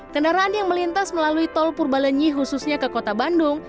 kendaraan yang melintas melalui tol purbalenyi khususnya ke kota bandung